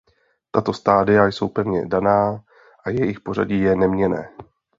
Tato stadia jsou pevně daná a jejich pořadí je neměnné.